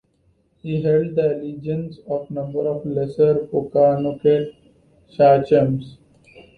He held the allegiance of a number of lesser Pokanoket sachems.